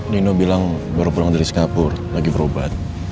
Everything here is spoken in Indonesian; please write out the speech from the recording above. nino bilang baru pulang dari singapura lagi berobat